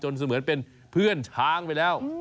เสมือนเป็นเพื่อนช้างไปแล้ว